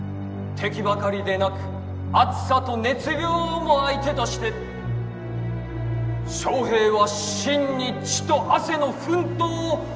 敵ばかりでなく熱さと熱病をも相手として将兵は真に血と汗の奮闘を続けているのである。